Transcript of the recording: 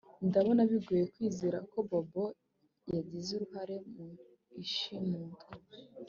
Ndabona bigoye kwizera ko Bobo yagize uruhare mu ishimutwa